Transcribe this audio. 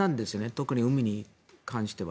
特に海に関しては。